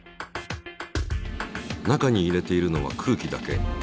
中に入れているのは空気だけ。